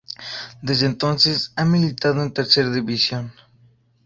Desde entonces, ha militado en Tercera División.